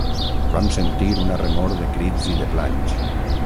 Vam sentir una remor de crits i de planys.